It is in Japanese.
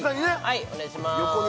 はいお願いします